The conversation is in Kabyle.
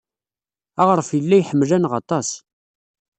Aɣref yella iḥemmel-aneɣ aṭas.